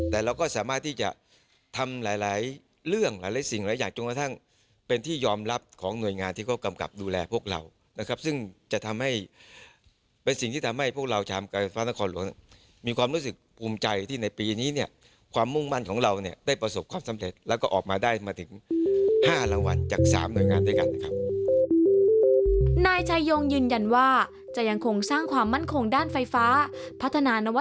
แต่เราก็สามารถที่จะทำหลายหลายเรื่องหลายสิ่งหลายอย่างจนกระทั่งเป็นที่ยอมรับของหน่วยงานที่เขากำกับดูแลพวกเรานะครับซึ่งจะทำให้เป็นสิ่งที่ทำให้พวกเราชามการไฟฟ้านครหลวงมีความรู้สึกภูมิใจที่ในปีนี้เนี่ยความมุ่งมั่นของเราเนี่ยได้ประสบความสำเร็จแล้วก็ออกมาได้มาถึง๕รางวัลจากสามหน่วยงานด้วยกันนะครับ